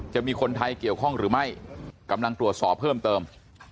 จะมีคนไทยเกี่ยวข้องหรือไม่กำลังตรวจสอบเพิ่มเติม